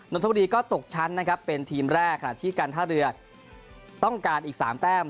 นทบุรีก็ตกชั้นนะครับเป็นทีมแรกขณะที่การท่าเรือต้องการอีก๓แต้ม